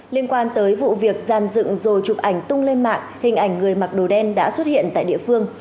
liên quan tới vụ việc gian dựng rồi chụp ảnh tung lên mạng hình ảnh người mặc đồ đen đã xuất hiện tại địa phương